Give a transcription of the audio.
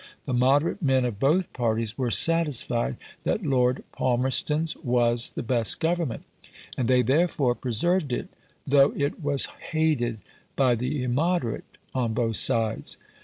The moderate men of both parties were satisfied that Lord Palmerston's was the best Government, and they therefore preserved it though it was hated by the immoderate on both sides.